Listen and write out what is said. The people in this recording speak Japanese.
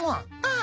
あ。